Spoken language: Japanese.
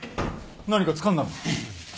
何かつかんだのか？